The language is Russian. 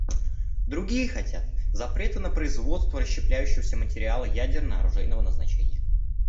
Другие хотят запрета на производство расщепляющегося материала ядерно-оружейного назначения.